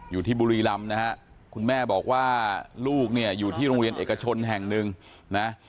อยู่ที่บุรีรำนะฮะคุณแม่บอกว่าลูกเนี่ยอยู่ที่โรงเรียนเอกชนแห่งหนึ่งนะ